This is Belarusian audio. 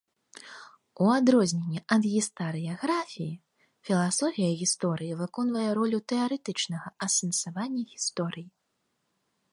У адрозненне ад гістарыяграфіі, філасофія гісторыі выконвае ролю тэарэтычнага асэнсавання гісторыі.